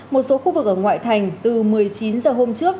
một số khu vực ở ngoại thành từ một mươi chín h hôm trước